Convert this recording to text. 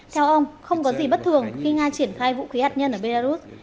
theo ông không có gì bất thường khi nga triển khai vũ khí hạt nhân ở belarus